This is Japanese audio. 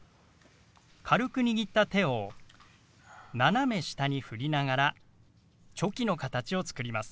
軽く握った手を斜め下にふりながらチョキの形を作ります。